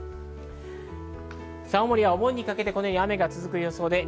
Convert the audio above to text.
青森はお盆にかけて雨が続く予想です。